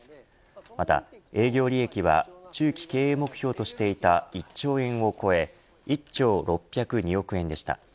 また営業利益は中期経営目標としていた１兆円を超え１兆６０２億円でした。